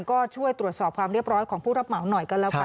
ก็ช่วยตรวจสอบความเรียบร้อยของผู้รับเหมาหน่อยก็แล้วกัน